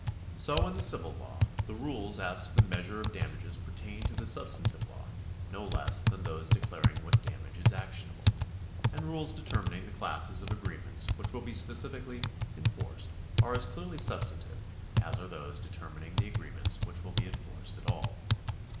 So in the civil law, the rules as to the measure of damages pertain to the substantive law, no less than those declaring what damage is actionable ; and rules determining the classes of agreements which will be specifically enforced are as clearly substantive as are those determining the agreements which will be enforced at all.